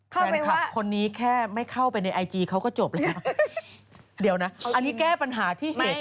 แฟนคลับคนนี้แค่ไม่เข้าไปในไอจีเขาก็จบแล้วเดี๋ยวนะอันนี้แก้ปัญหาที่เหตุ